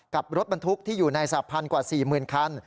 กับรถบรรทุกที่อยู่ในสาพันธ์กว่า๔๐๐๐คัน